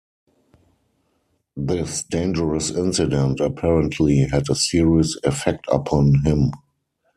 This dangerous incident apparently had a serious effect upon him.